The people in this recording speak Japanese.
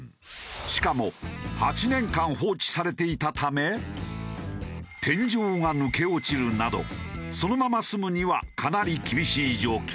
しかも８年間放置されていたため天井が抜け落ちるなどそのまま住むにはかなり厳しい状況。